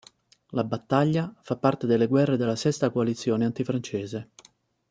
La battaglia fa parte delle guerre della sesta coalizione antifrancese.